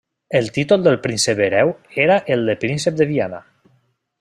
El títol del príncep hereu era el de príncep de Viana.